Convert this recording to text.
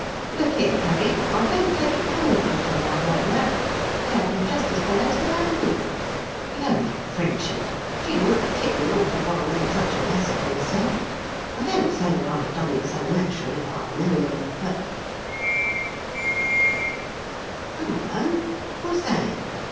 "Look here, cabby, I don't take it kind of you to laugh like that; they had you just as bad as they had me. Blow that Frenchy! She might have tipped me off before I made such an ass of myself. I don't say that I'd have done it so natural if I had known, but Hullo! What's that?